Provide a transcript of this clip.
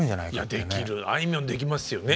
いやできるあいみょんできますよね。